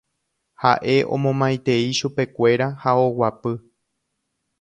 Haʼe omomaitei chupekuéra ha oguapy.